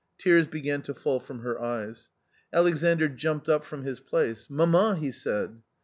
Tears began to fall from her eyes. Alexandr jumped up from his place. "Mamma," he said.